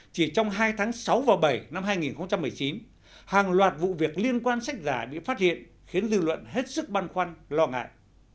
chỉ trong hai tháng sáu và bảy năm hai nghìn một mươi chín hàng loạt vụ việc liên quan sách giả bị phát hiện khiến dư luận hết sức băn khoăn lo ngại